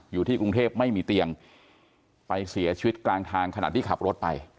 อยู่ที่กรุงเทพไม่มีเตียงไปเสียชีวิตกลางทางขนาดที่ขับรถไป